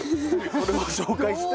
それを紹介して。